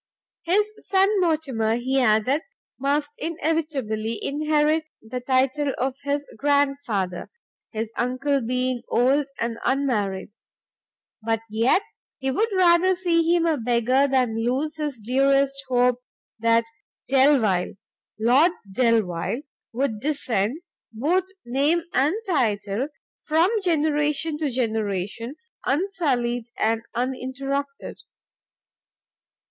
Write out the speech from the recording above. His son Mortimer, he added, must inevitably inherit the title of his grandfather, his uncle being old and unmarried; but yet he would rather see him a beggar, than lose his dearest hope that Delvile, Lord Delvile, would descend, both name and title, from generation to generation unsullied and uninterrupted."